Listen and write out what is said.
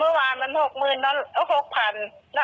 เดี๋ยวหานัตรีก่อนอารมณ์ไม่ดีเครียด